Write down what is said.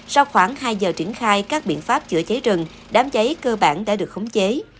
sau khoảng hai giờ triển khai các biện pháp chữa cháy rừng đám cháy cơ bản đã được khống chế